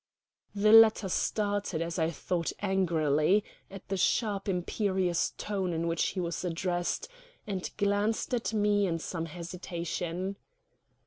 The latter started, as I thought angrily, at the sharp imperious tone in which he was addressed, and glanced at me in some hesitation.